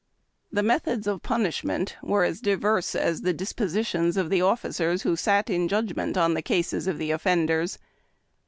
The methods of punishment were as diverse as the dispo sitions of the officers who sat in judgment on the cases of the offenders.